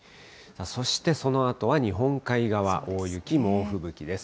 そしてそのあとは日本海側、大雪、猛吹雪です。